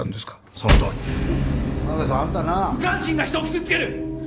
そのとおりアンタな無関心が人を傷つける！